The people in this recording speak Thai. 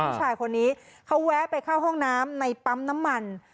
ผู้ชายคนนี้เขาแวะไปเข้าห้องน้ำในปั๊มน้ำมัน